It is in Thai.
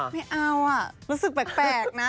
ไม่เอารู้สึกแปลกนะ